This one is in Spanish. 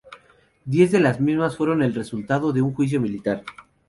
Diez de las mismas fueron el resultado de un juicio militar.